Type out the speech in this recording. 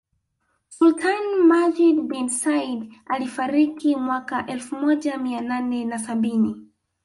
Sultani Majid bin Said alifariki mwaka elfu moja Mia nane na sabini